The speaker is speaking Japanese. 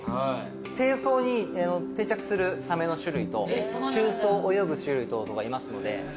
底層に定着するサメの種類と中層を泳ぐ種類等々がいますので。